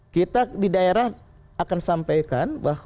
kita di daerah akan sampaikan